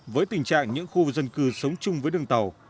với tình trạng những khu dân cư sống chung với đường tàu